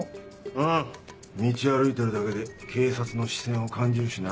ああ道歩いてるだけで警察の視線を感じるしな。